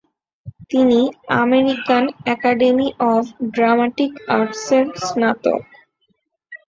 তিনি American academy of dramatic আর্টসের স্নাতক।